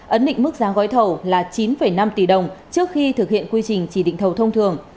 ấn định mức giá gói thầu là chín năm tỷ đồng trước khi thực hiện quy trình chỉ định thầu thông thường